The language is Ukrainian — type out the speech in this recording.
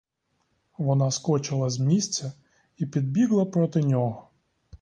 Вона скочила з місця і підбігла проти нього.